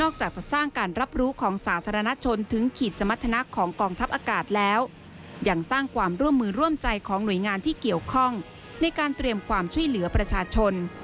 การเตรียมความช่วยเหลือประชาชน